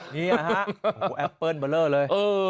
นี่ฮะแอปเปิ้ลเบอร์เลอร์เลย